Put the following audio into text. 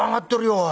おい。